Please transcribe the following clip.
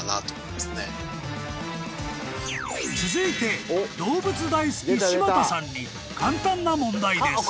［続いて動物大好き柴田さんに簡単な問題です］